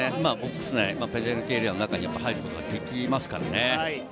ペナルティーエリアの中に入ることができますからね。